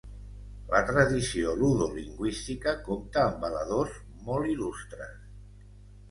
La tradició ludo lingüística compta amb valedors molt il·lustres.